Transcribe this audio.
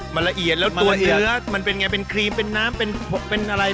มันละเอียดแล้วตัวเนื้อมันเป็นไงเป็นครีมเป็นน้ำเป็นอะไร